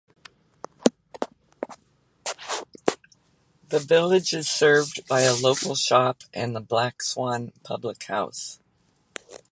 The village is served by a local shop and the Black Swan public house.